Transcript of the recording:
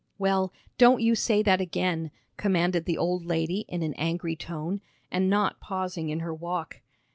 "Well, don't you say that again," commanded the old lady in an angry tone, and not pausing in her walk.